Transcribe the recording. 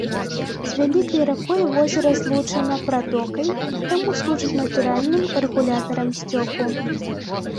З вялікай ракой возера злучана пратокай, таму служыць натуральным рэгулятарам сцёку.